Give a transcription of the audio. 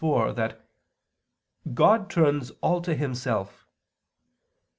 iv) that "God turns all to Himself."